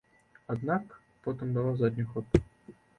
Аднак потым дала задні ход.